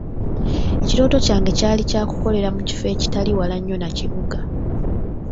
Ekirooto kyange kyali kya kukolera mu kifo ekitali wala nnyo na kibuga.